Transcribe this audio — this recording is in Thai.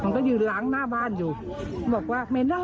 แล้วพอไปตรวจสอบดูปรากฏว่า